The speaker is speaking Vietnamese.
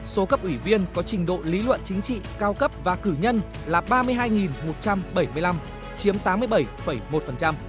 số cấp ủy viên có trình độ lý luận chính trị cao cấp và cử nhân là ba mươi hai một trăm bảy mươi năm chiếm tám mươi bảy một